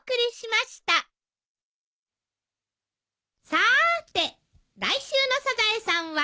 さーて来週の『サザエさん』は？